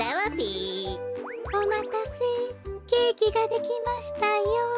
おまたせケーキができましたよ。